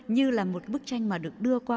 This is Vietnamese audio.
như là một bức tranh mà được đưa qua